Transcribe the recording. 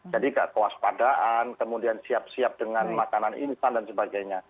jadi kewaspadaan kemudian siap siap dengan makanan instan dan sebagainya